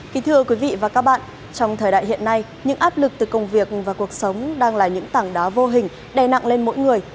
kính thưa quý vị và các bạn trong thời đại hiện nay những áp lực từ công việc và cuộc sống đang là những tảng đá vô hình đè nặng lên mỗi người